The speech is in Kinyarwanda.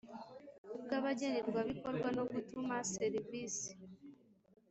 bw abagenerwabikorwa no gutuma serivisi